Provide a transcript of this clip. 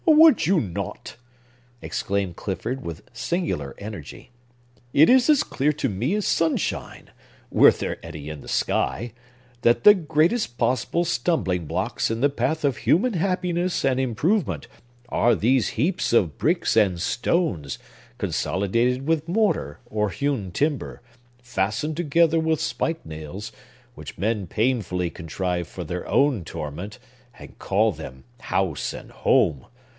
"Would you not?" exclaimed Clifford, with singular energy. "It is as clear to me as sunshine,—were there any in the sky,—that the greatest possible stumbling blocks in the path of human happiness and improvement are these heaps of bricks and stones, consolidated with mortar, or hewn timber, fastened together with spike nails, which men painfully contrive for their own torment, and call them house and home!